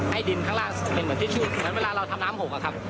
ดินข้างล่างเป็นเหมือนทิชชู่เหมือนเวลาเราทำน้ำหกอะครับ